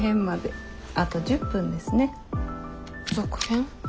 続編？